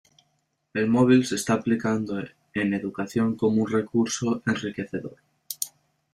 El móvil se está aplicando en educación cómo un recurso enriquecedor.